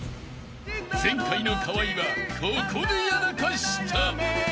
［前回の河合はここでやらかした］